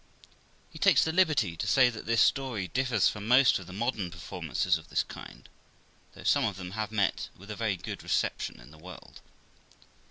He takes the liberty to say that this story differs from most of the modern performances of this kind, though some of them have met with a very good reception in the world.